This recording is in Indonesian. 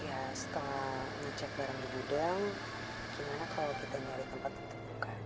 ya setelah ngecek barang di gudang gimana kalau kita nyari tempat untuk buka